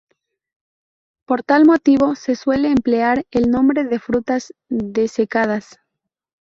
Por tal motivo, se suele emplear el nombre de frutas desecadas.